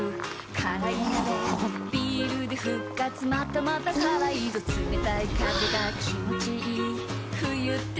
辛い鍋ビールで復活またまた辛いぞ冷たい風が気持ちいい冬って最高だ